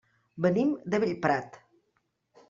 Venim de Bellprat.